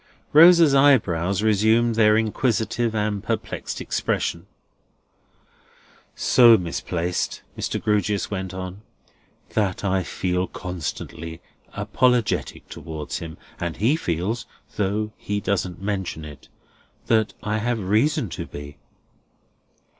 Rosa's eyebrows resumed their inquisitive and perplexed expression. "So misplaced," Mr. Grewgious went on, "that I feel constantly apologetic towards him. And he feels (though he doesn't mention it) that I have reason to be."